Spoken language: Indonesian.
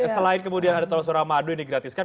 selain kemudian ada tol suramadu yang digratiskan